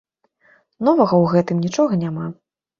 Новага ў гэтым нічога няма.